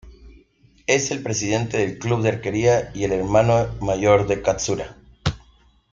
Es el presidente del club de arquería y el hermano mayor de Katsura.